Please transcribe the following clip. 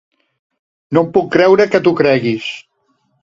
No em puc creure que t’ho creguis.